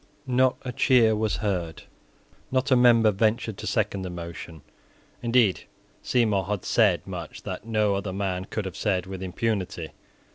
Not a cheer was heard. Not a member ventured to second the motion. Indeed, Seymour had said much that no other man could have said with impunity.